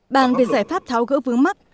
bàn về giải pháp tháo gỡ vướng mắc